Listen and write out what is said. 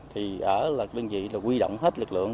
thì ở là đơn vị là quy động hết lực lượng